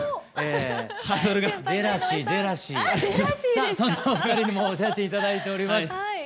さあそんなお二人にもお写真頂いております。